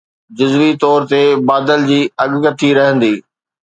جزوي طور تي بادل جي اڳڪٿي رهندي